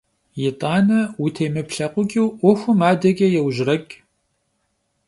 ИтӀанэ, утемыплъэкъукӀыу, Ӏуэхум адэкӀэ еужьэрэкӀ.